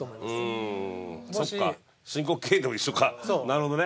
なるほどね。